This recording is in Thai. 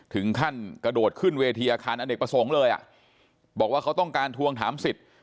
ถึงขั้นกระโดดขึ้นเวทีอาคารอเนกประสงค์เลยอ่ะบอกว่าเขาต้องการทวงถามสิทธิ์